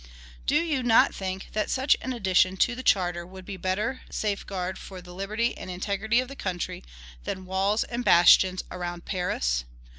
Do you not think that such an addition to the charter would be a better safeguard for the liberty and integrity of the country than walls and bastions around Paris?